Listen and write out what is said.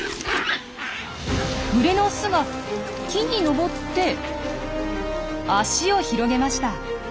群れのオスが木に登って足を広げました。